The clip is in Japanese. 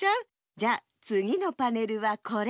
じゃつぎのパネルはこれ！